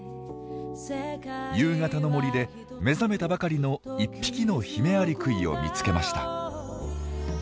夕方の森で目覚めたばかりの１匹のヒメアリクイを見つけました。